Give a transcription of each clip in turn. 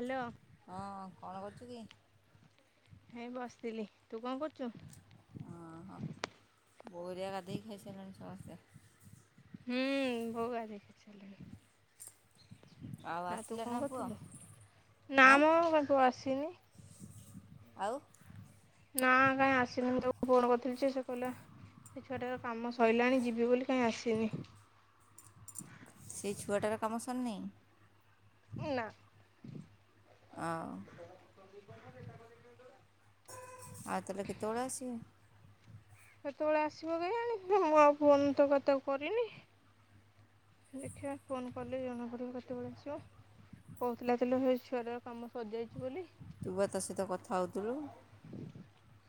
Hello. ହଁ କଣ କରୁଛୁ କି? ନାଇଁ ବସିଥିଲି ତୁ କଣ କରୁଚୁ? ଓ ହୋ ବୋଉ ହରିଆ ଗାଧିଇ ଖାଇସାଇଲଣି ସମସ୍ତେ? ହୁଁ ବୋଉ ଗାଧେଇ ଆଉ ଆସିଲା ନା ପୁଅ? ନାଁ ଆଁ ମ ବାଙ୍କୁ ଆସିନି‌‌‍‍‍‍। ଆଉ। ନା କାଇଁ ଆସିନି ମୁ ତାକୁ ଫୋନ୍ କରିଥିଲି ଯେ ସେ କହିଲା ସେ ଛୁଆଟାର କାମ ସଇଲାଣି ଯିବି ବୋଲି କାଇଁ ଆସିନି। ସେଇ ଛୁଆଟାର କାମ ସରିନି? ନା। ଆ ଉ। ଆଉ ତାଲେ କେତବେଳେ ଆସିବ? କେତେବେଳେ ଆସିବ କେଇଆଣି ମୁଁ ଆଉ ଫୋନ୍ ତ ତାକୁ କରିନି। ଦେଖିବା ଫୋନ କଲେ ଜଣା ପଡିବ କେତେବେଳେ ଆସିବ। କହୁଥୁଲା ତ ହେ ଛୁଆଟାର କାମ ସଜାଇଚି ବୋଲି। ତୁ ବା ତା ସହିତ କଥା ହୋଉଥୁଲୁ?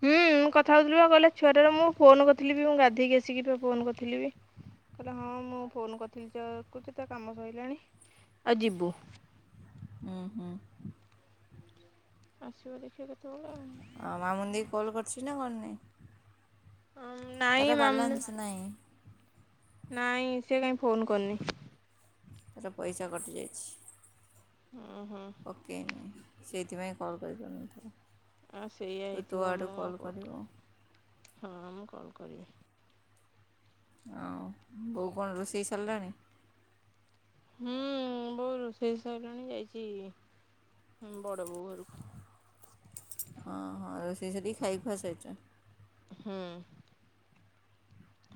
ହୁଁ ମୁଁ କଥା ହୋଉଥିଲି ବା କଇଲେ ଛୁଆଟାରେ ମୁଁ ଫୋନ୍ କରିଥିଲି ବି ମୁଁ ଗାଧେଇକି ଆସିକି ବି ଫୋନ୍ କରିଥିଲି ବି। [inaudible] କହିଲା ହଁ ମୁଁ ଫୋନ୍ ରିଥିଲି ଯେ ଆକୁ ତା କାମ ସଇଲାଣି ଆ ଯିବୁ। ଉଁ ହୁଁ। ଆସିବ ଦେଖିବା କେତେବେଳେ ଆଉ। ହଁ ମାମୁନି ଦେଇ କଲ୍ କରିଛି ନା କରି ନାଇଁ? ହଁ ନାଁ ତାର ବାଲାନ୍ସ ନାହିଁ। ନାଇଁ ସେ କାଇଁ ଫୋନ୍ କରିନି। ତାର ପଇସା କଟିଯାଇଛି। ଉଁ ହୁଁ। ପକେଇନୀ ସେଇଥିପାଇଁ କଲ୍ କରିପାରୁନଥିବ। ଆଉ ସେଇଆ ହେଇଥିବ ମୁଁ ଆଉ କଲ କରିବୁ। ହଁ ମୁଁ କଲ୍ କରିବି। ଆଉ ବୋଉ କଣ ରୋଷେଇ ସରିଲାଣି? ହୁଁ ବୋଉ ରୋଷେଇ ସାଇଲାଣି ଯାଇଚି ବଡ ବୋଉ ଘରକୁ। ହଁ ହଁ ରୋଷେଇ ସାରିକି ଖାଇ ଖୁଆ ସାରିଚନ୍। ହୁଁ।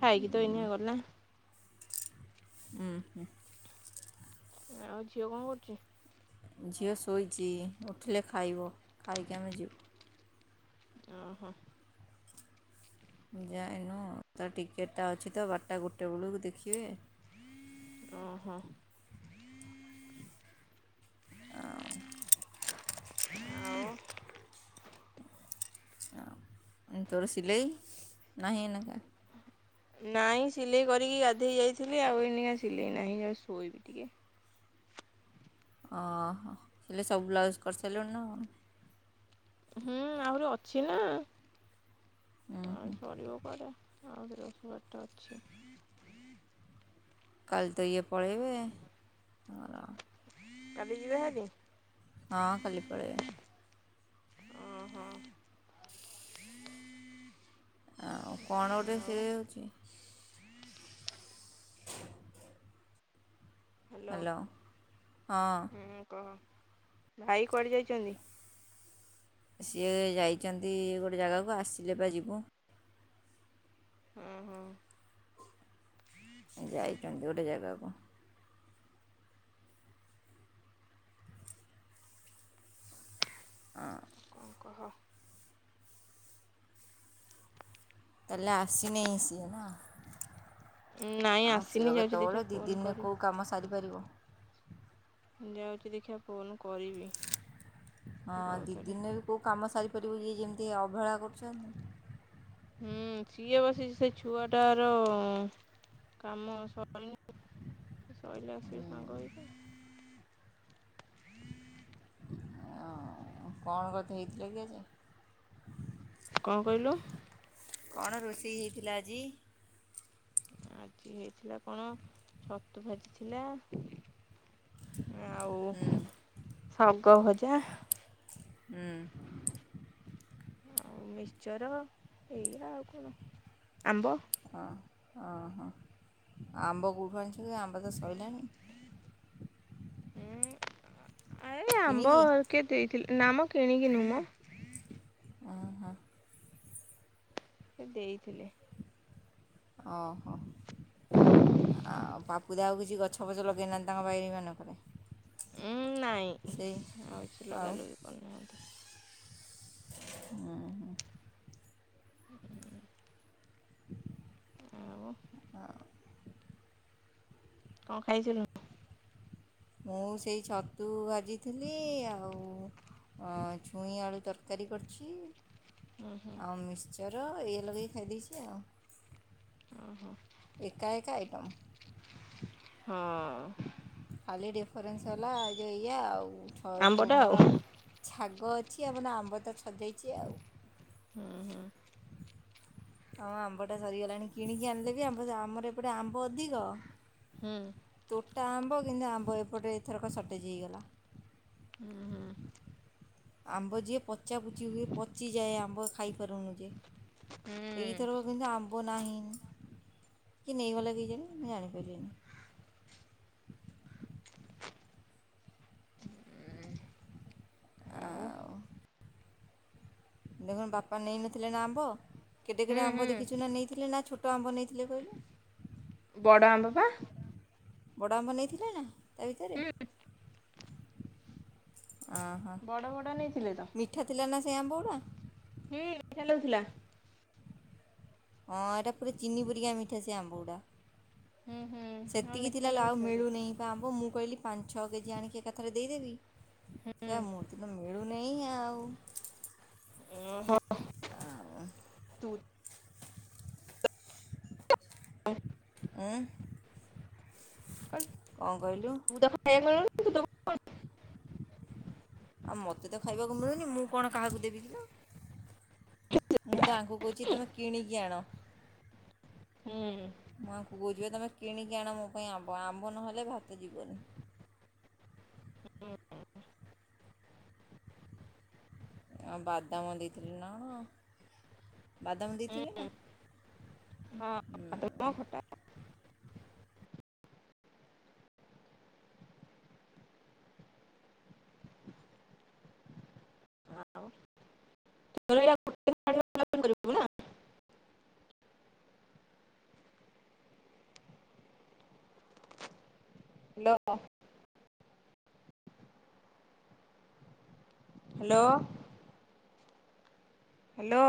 ଖାଇକୀ ତ ଏଇନେ ଗଲା। ଉଁ ହୁଁ। ଆଉ ଝିଅ କଣ କରୁଚି? ଝିଅ ଶୋଇଚି ଉଠିଲେ ଖାଇବ ଖାଇକି ଆମେ ଯିବୁ। ଓହୋ। ଯାଇନୁ ତ ଟିକେଟଟା ଅଛି ତ ବାରଟା ଗୋଟେ ବେଳକୁ ଦେଖିବେ। ଓହୋ। ଆଉ ଆଉ। ତୋର ସିଲେଇ ନାହିଁ ଏଇନାକା? ନାଇଁ ସିଲେଇ କରିକି ଗାଧେଇ ଯାଇଥିଲି ଆଉ ଏଇନାକା ସିଲେଇ ନାହିଁ ଯାଉଚି ଶୋଇବି ଟିକେ। ଓହୋ ହେଲେ ସବୁ ବ୍ଲାଉଜ କରିସାରିଲୁଣି ନା କଣ? ହୁଁ ଆହୁରି ଅଛି ନା ଆଉ ସରିବ। ପରେ ଆଉଥରେ ସ ବାଟ ଅଛି। କାଲି ତ ଇଏ ପଳେଇବେ। ଆମର କାଲି ଯିବେ ହାରି? ହଁ କାଲି ପଳେଇବେ। ଓହୋ ଆଉ କଣ ଗୋଟେ ଆଉ ସେ ହେଉଛି? ହ୍ୟାଲୋ ହଁ। ହୁଁ କହ। ଭାଇ କୁଆଡେ ଯାଇଚନ୍ତି? ସିଏ ଯାଇଛନ୍ତି ଗୋଟେ ଜାଗାକୁ ଆସିଲେ ପା ଯିବୁ। ହଁ ହଁ। ଯାଇଛନ୍ତି ଗୋଟେ ଜାଗାକୁ। ଅଁ। କଣ କହ? ତାହାଲେ ଆସିନେଇ ସିଏ ନା? ନାଇଁ ଆସିନି ଆସିବ ଯାଉଛି ଦେଖିବା କେତେବେଳେ ଦି ଫୋନ ଦିନରେ କୋଉ କରିବି। କାମ ସାରିପାରିବ। ଯାଉଛି ଦେଖିବା ଫୋନ କରିବି। ହଁ ତାକୁ ଦି ଆଉଥରେ। ଦିନରେ ବି କୋଉ କାମ ସାରିପାରିବୁ ଇଏ ଯେମିତି ଅବହେଳା କରୁଚନ୍ତି। ହୁଁ ସିଏ ବସିଚି ସେ ଛୁଆଟାର କାମ ସରିନି ସଇଲେ ଆସିବେ ସାଙ୍ଗ ହେଇକି। କଣ କଥା ହେଇଥିଲ କି ଆଜି? କଣ କହିଁଲୁ? କଣ ରୋଷେଇ ହେଇଥିଲା ଆଜି? ଆଜି ହେଇଥିଲା କଣ ଛତୁ ଭାଜି ଥିଲା। ଆଉ ହୁଁ। ଶାଗ ଭଜା। ହୁଁ। ଆଉ ମିଶ୍ଚର ଏଇଆ ଆଉ କଣ ଆମ୍ବ। ହଁ ହଁ ହଁ ଆମ୍ବ କଉଠୁ ଆଣୁଚୁ କି? ଆମ୍ବ ତ ସଇଲାଣି। ଉଁ ଏଇ ଆମ୍ବ କିଣିକି କେ ଦେଇଥିଲେ ନାଁ ମ କିଣିକି ନୁହେଁ ମ। ଓ ହୋ। ସେ ଦେଇଥିଲେ। ଓହୋ ଆଉ ପାପୁ ଆଉ କିଛି ଗଛ [unintelligible] ଲଗେଇ ନାଆନ୍ତି ତାଙ୍କ ବାଇରି ମାନଙ୍କରେ। ଉଁ ନାଇଁ ଆଉ କିଛି ଆଉ ଲଗା ଲୁଗି କରୁନାହାଁନ୍ତି। ଉଁ ହୁଁ। [unintelligible] ଆଉ। ହଉ। କଣ ଖାଇଥିଲୁ? ମୁଁ ସେଇ ଛତୁ ଭାଜିଥିଲି ଆଉ ଅଁ ଛୁଇଁ ଆଳୁ ତରକାରୀ କରିଚି। ଉଁ ହୁଁ ଆଉ ମିକ୍ସଚର ଏଇଆ ଲଗେଇକି ଖାଇ ଦେଇଚି ଆଉ। ଓହୋ ଏକା ଏକା ଆଇଟମ୍ ହଁ। ଖାଲି ଡିଫରେନ୍ସ ହେଲା ଯେ ଏଇଆ ଆଉ ଛ ଆମ୍ବଟା ଆଉ ତୁମର ଛାଗ ଅଛି ଆମର ଆମ୍ବ ତ ଛଜାଇଚି ଆଉ। ହୁଁ ହୁଁ। ହଁ ଆମ୍ବଟା ସରିଗଲାଣି କିଣିକି ଆଣିଲେ ବି ଆମ୍ବ ଆମର ଏପଟେ ଆମ୍ବ ଅଧିକ। ହୁଁ। ତୋଟା ଆମ୍ବ କିନ୍ତୁ ଆମ୍ବ ଏପଟେ ଏଥରକ ସଟେଜ୍ ହେଇଗଲା। ହୁଁ। ଆମ୍ବ ଯିଏ ପ ପଚାପୁଚି ହୁଏ ପଚିଯାଏ ଆମ୍ବ ଖାଇପାରୁନୁ ଯେ ହୁଁ ହୁଁ ଏଇଥରକ କିନ୍ତୁ ଆମ୍ ମ୍ବ ନାହିଁ ନ୍ କିଏ ନେଇଗଲା କେଜାଣି ମୁଁ ଜାଣିପାଇଲିନି। ଆଉ। ଦେଖୁନୁ ବାପା ନେଇନଥିଲେ ନା ଆମ୍ବ କେଡେ ହୁଁ କେଡେ ଆମ୍ବ ହୁଁ ଦେଖିଚୁ ନା ନେଇଥିଲେ ନା ଛୋ ଟ ଆମ୍ୱ ନେଇଥିଲେ କଇଲୁ। ବଡ଼ ଆମ୍ବ ପା। ବଡ଼ ଆମ୍ବ ନେଇଥିଲେ ନା ତା ଭିତରେ ହୁଁ ଅହ। ବଡ଼ ବଡ଼ ନେଇଥିଲେ ତ। ମିଠା ଥିଲା ନା ସେଇ ଆମ୍ବଉଡ଼ା? ହୁଁ ମିଠା ଲାଗୁଥୁଲା। ହଁ ଏଇଟା ପୁରା ଚିନି ପୁରିକା ମିଠା ସେ ଆମ୍ବ ଗୁଡ଼ା। ହୁଁ ହୁଁ। ହଁ ସେତିକି ମିଠା ଥିଲା ଲ ଆଉ ଲାଗୁଥିଲା ତ ମିଳୁନେଇଁ ପା ଆମ୍ବ ମୁଁ କଇଲି ପାଞ୍ଚ୍ ଛଅ କେଜି ଆଣିକି ଏକାଥରେ ଦେଇଦେବି। ହୁଁ ତା ମୁତି ତ ମଳୁ ନେଇଁ ଆଉ। ଓହୋ। ଆଉ ତୁ ଆଁ ଉଁ କଣ ତୁ ତ ଖାଇବାକୁ ମିଳୁନି ତୁ ତ କହିଲୁ? ଆଉ ମୋତେ ତ ଖାଇବାକୁ ମିଳୁନି ମୁଁ କଣ କାହାକୁ ଦେବି କି ଲୋ। ମୁଁ ତ ଆଙ୍କୁ କଉଚି ତମେ କିଣିକି ଆଣ। ହୁଁ। ମୁଁ ଆଙ୍କୁ କହୁଚି ପା ତମେ କିଣିକି ଆଣ ମୋ ପାଇଁ ଆମ୍ବ ଆମ୍ବ ନହେଲେ ଭାତ ଯିବନି। ଆଉ ବାଦାମ ଦେଇଥିଲେ ନା କଣ ବାଦାମ ଦେଇଥିଲେ ନା? ହଁ ତ ଖଟା [unintelligible] ବୁ ନାଁ ହଲ [unintelligible] ଅ ହ୍ୟାଲୋ ହ୍ୟାଲୋ